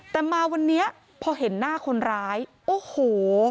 แต่มาวันนี้พอเห็นหน้าคนร้ายโอ้โห